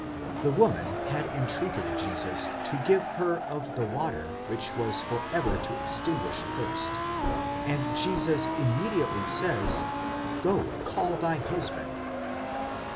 The woman had entreated Jesus to give her of the water which was for ever to extinguish thirst, and Jesus immediately says, Go, call thy husband.